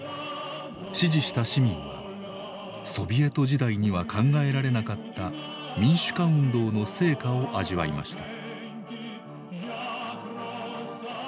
支持した市民はソビエト時代には考えられなかった民主化運動の成果を味わいました。